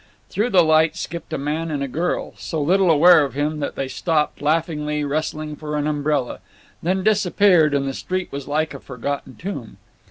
Through the light skipped a man and a girl, so little aware of him that they stopped, laughingly, wrestling for an umbrella, then disappeared, and the street was like a forgotten tomb.